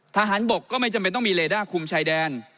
ทหารบกก็ไม่จำเป็นต้องมีเลด้าคุมชายแดน